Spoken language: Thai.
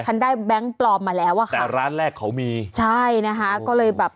ฉันได้แบงค์ปลอมมาแล้วอะค่ะแต่ร้านแรกเขามีใช่นะคะก็เลยแบบ